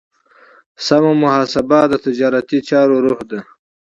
سمه محاسبه د تجارتي چارو روح دی.